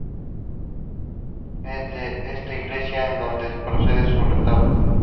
Es de esta iglesia de donde procede su retablo.